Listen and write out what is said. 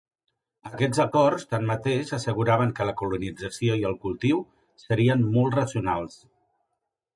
Aquests acords tanmateix, asseguraven que la colonització i el cultiu serien molt racionals.